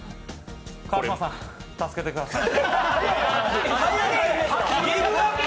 川島さん助けてください。